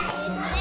え